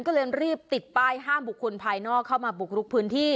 ก็เลยรีบติดป้ายห้ามบุคคลภายนอกเข้ามาบุกรุกพื้นที่